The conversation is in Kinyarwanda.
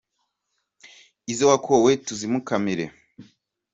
Izo wakowe tuzimukamire